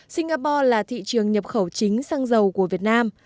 singapore là thị trường nhập khẩu chính sang dầu của việt nam